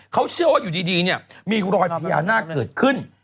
เขาเชื่อว่าอยู่ดีมีรอยพิยาหน้าเกิดขึ้น